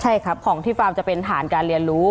ใช่ครับของที่ฟาร์มจะเป็นฐานการเรียนรู้